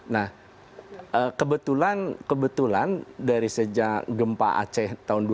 nah kebetulan dari sejak gempa aceh tahun dua ribu